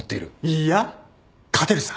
いいや勝てるさ。